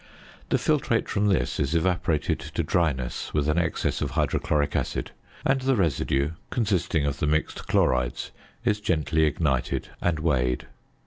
The filtrate from this is evaporated to dryness with an excess of hydrochloric acid, and the residue, consisting of the mixed chlorides, is gently ignited and weighed.